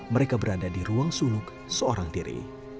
mereka berada di ruang suluk seorang diri